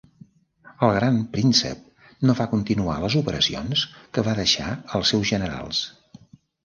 El gran príncep no va continuar les operacions que va deixar als seus generals.